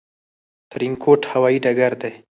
ترينکوټ هوايي ډګر دى